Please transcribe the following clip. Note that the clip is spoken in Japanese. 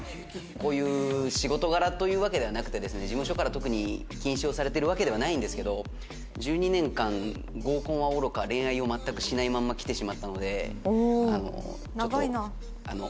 こういう仕事柄というわけではなくてですね事務所から特に禁止をされてるわけではないんですけど１２年間合コンはおろか恋愛を全くしないままきてしまったのでちょっとあの頑張ります。